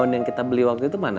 yang kita beli waktu itu mana